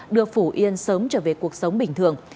đưa phủ yên sớm trở về cuộc sống bình thường